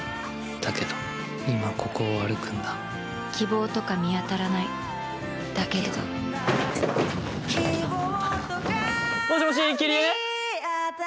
だけど今ここを歩くんだ・希望とか見当たらない・だけど・だけどもしもしキリエ！？